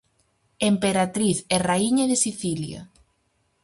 Emperatriz e raíña de Sicilia.